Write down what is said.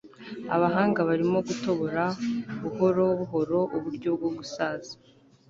abahanga barimo gutobora buhoro buhoro uburyo bwo gusaza